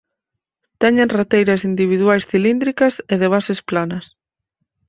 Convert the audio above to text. Teñen rateiras individuais cilíndricas e de bases planas.